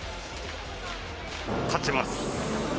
勝ちます。